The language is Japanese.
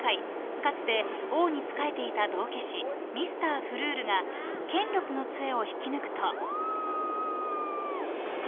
［かつて王に仕えていた道化師ミスター・フルールが権力のつえを引き抜くと］